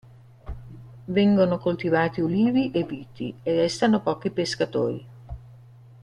Vengono coltivati ulivi e viti, e restano pochi pescatori.